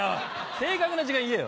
正確な時間言えよ。